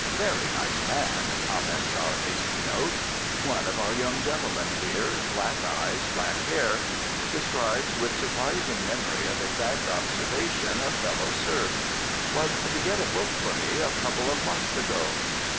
"Very nice man," comments our hasty note. "One of our young gentlemen here, black eyes, black hair." describes with surprising memory of exact observation a fellow serf "was to get a book for me a couple of months ago."